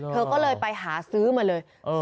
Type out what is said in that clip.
เธอก็เลยไปหาซื้อมาเลย